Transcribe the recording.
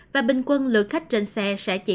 và bình quân lượng khách trên xe sẽ chỉ